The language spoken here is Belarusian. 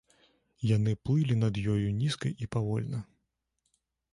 Яны плылі над ёю, нізка і павольна.